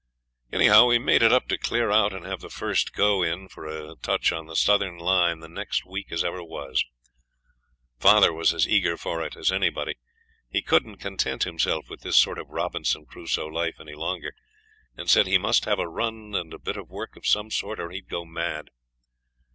Anyhow, we made it up to clear out and have the first go in for a touch on the southern line the next week as ever was. Father was as eager for it as anybody. He couldn't content himself with this sort of Robinson Crusoe life any longer, and said he must have a run and a bit of work of some sort or he'd go mad.